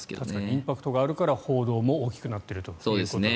インパクトがあるから報道も大きくなっているということだと思います。